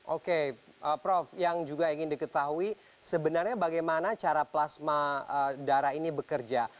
oke prof yang juga ingin diketahui sebenarnya bagaimana cara plasma darah ini bekerja